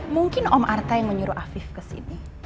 mungkin om arta yang menyuruh afif kesini